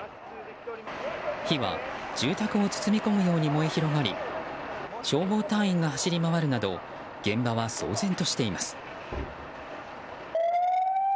火は住宅を包み込むように燃え広がり消防隊員が走り回るなど現場は騒然としています。